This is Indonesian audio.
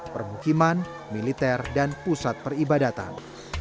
permukiman militer dan pusat peribadatan